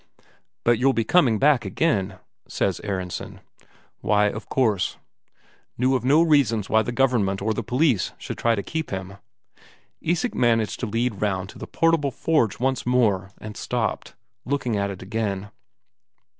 "But you'll be coming back again?" says Aronsen. Why, of course. Knew of no reason why the Government or the police should try to keep him. Isak managed to lead round to the portable forge once more and stopped, looking at it again.